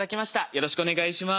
よろしくお願いします。